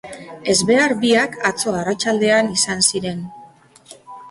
Ezbehar biak atzo arratsaldean izan ziren.